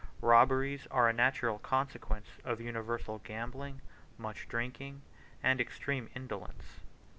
Robberies are a natural consequence of universal gambling, much drinking, and extreme indolence.